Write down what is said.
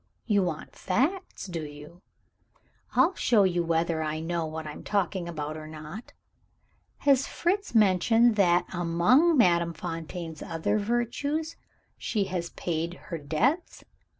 you want facts, do you? I'll soon show you whether I know what I am talking about or not. Has Fritz mentioned that among Madame Fontaine's other virtues, she has paid her debts?